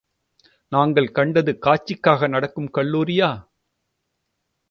நாங்கள் கண்டது காட்சிக்காக நடக்கும் கல்லூரியா?